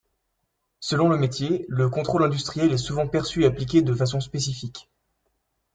Selon le métier, le contrôle industriel est souvent perçu et appliqué de façon spécifique.